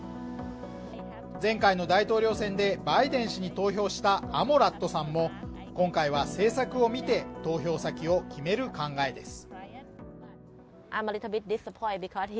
前回の大統領選でバイデン氏に投票したアモラットさんも今回は政策を見て投票先を決める考えです